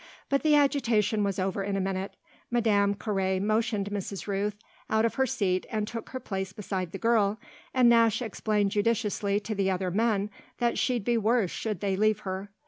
But the agitation was over in a minute; Madame Carré motioned Mrs. Rooth out of her seat and took her place beside the girl, and Nash explained judiciously to the other men that she'd be worse should they leave her.